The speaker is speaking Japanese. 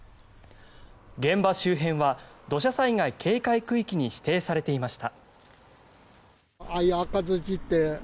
現場周辺は土砂災害警戒区域に指定されていました。